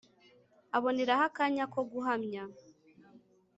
aboneraho akanya ko guhamya